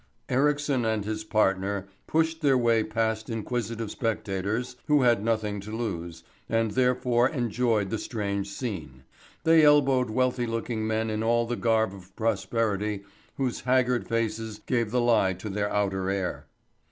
Ericsson and his partner pushed their way past inquisitive spectators who had nothing to lose, and therefore enjoyed the strange scene; they elbowed wealthy looking men in all the garb of prosperity whose haggard faces gave the lie to their outer air.